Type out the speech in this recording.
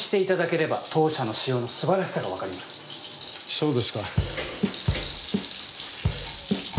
そうですか。